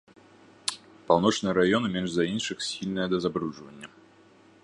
Паўночныя раёны менш за іншых схільныя да забруджвання.